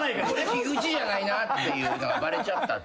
菊地じゃないなっていうのがバレちゃったっていう。